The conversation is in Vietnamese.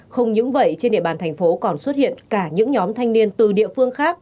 không những vậy trên địa bàn thành phố còn xuất hiện cả những nhóm thanh niên từ địa phương khác